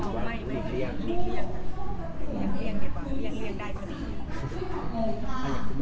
อย่างนั้นวันนี้เราเอาอีเว้นต์เรายังเอาเพลงที่เป็นลิขสินทร์ของเขามาลองดูค่ะ